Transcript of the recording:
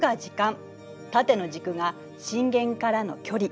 縦の軸が震源からの距離。